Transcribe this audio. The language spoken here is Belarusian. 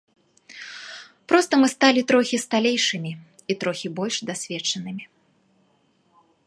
Проста мы сталі трохі сталейшымі і трохі больш дасведчанымі.